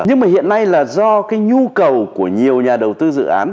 nhưng mà hiện nay là do cái nhu cầu của nhiều nhà đầu tư dự án